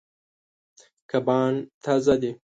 کبان تازه دي.